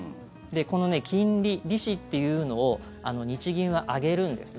この金利、利子っていうのを日銀は上げるんですね。